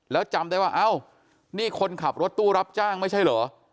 แล้วจำได้ว่าเอ้านี่คนขับรถตู้รับจ้างไม่ใช่เหรอ